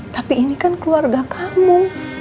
tapi ini kan keluarga kamu